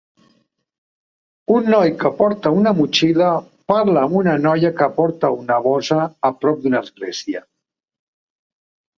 Un noi que porta una motxilla parla amb una noia que porta una bossa a prop d'una església.